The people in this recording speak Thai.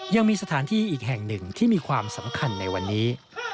ยังมีสถานที่อีกแห่งหนึ่งที่มีความสำคัญในวันนี้